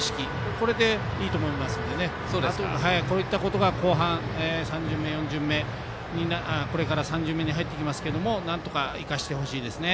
これでいいと思いますのでこういったことが後半、これから３巡目に入っていきますけどなんとか生かしてほしいですね。